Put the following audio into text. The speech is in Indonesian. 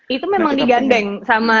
itu memang digandeng sama